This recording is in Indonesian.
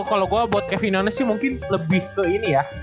kalo gue buat kevin yonas sih mungkin lebih ke ini ya